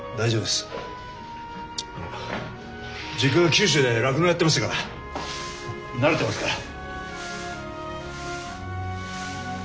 あの実家が九州で酪農やってましたから慣れてますから。